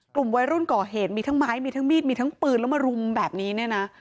กลุ่มวัยรุ่นก่อเหตุมีทั้งไม้มีทั้งมีดมีทั้งปืนแล้วมารุมแบบนี้เนี่ยนะ